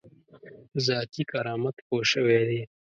ذاتي کرامت پوه شوی دی.